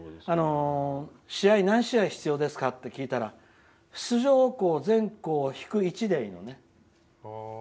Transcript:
試合が何試合必要ですかって聞いたら出場校全校引く１でいいのね。